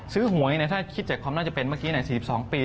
หวยถ้าคิดจากความน่าจะเป็นเมื่อกี้๔๒ปี